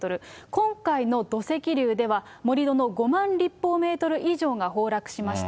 今回の土石流では、盛り土の５万立方メートル以上が崩落しました。